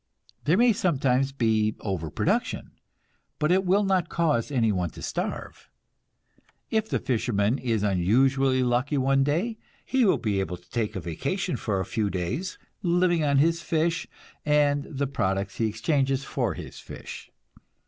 There may sometimes be over production, but it will not cause anyone to starve. If the fisherman is unusually lucky one day, he will be able to take a vacation for a few days, living on his fish and the products he exchanges for his fish.